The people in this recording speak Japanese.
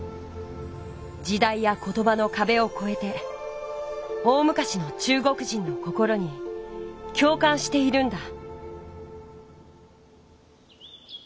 時代や言葉のかべをこえて大むかしの中国人の心にきょう感しているんだ。